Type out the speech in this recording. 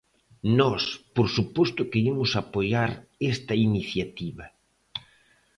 Nós por suposto que imos apoiar esta iniciativa.